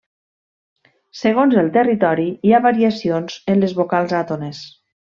Segons el territori hi ha variacions en les vocals àtones.